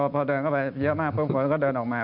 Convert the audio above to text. พอเดินเข้าไปเยอะมากปุ๊บคนก็เดินออกมา